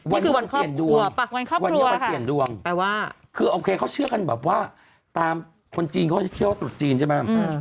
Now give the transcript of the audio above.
นี่คือวันครอบครัวป่ะวันครอบครัวค่ะคือโอเคเขาเชื่อกันแบบว่าตามคนจีนเขาเชื่อว่าตรุษจีนใช่ไหม